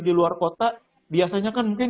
di luar kota biasanya kan mungkin